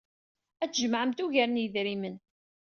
Ad tjemɛemt ugar n yedrimen.